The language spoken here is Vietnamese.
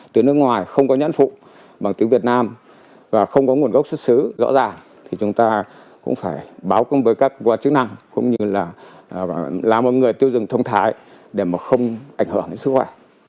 từ nước ngoài không có nhãn phụ bằng tiếng việt nam và không có nguồn gốc xuất xứ rõ ràng thì chúng ta cũng phải báo công với các chức năng cũng như là làm một người tiêu dùng thông thái để mà không ảnh hưởng đến sức khỏe